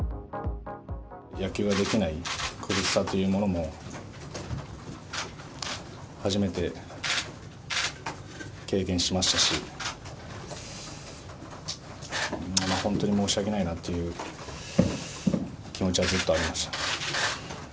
野球ができない苦しさというものも初めて経験しましたし、本当に申し訳ないなという気持ちはずっとありました。